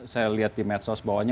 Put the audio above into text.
saya lihat di medsos bahwanya